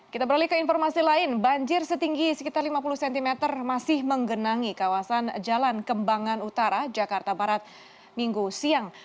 kita beralih ke informasi lain banjir setinggi sekitar lima puluh cm masih menggenangi kawasan jalan kembangan utara jakarta barat minggu siang